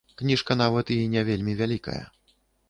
Кніжка нават і не вельмі вялікая.